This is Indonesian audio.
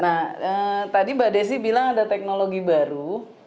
nah tadi mbak desi bilang ada teknologi baru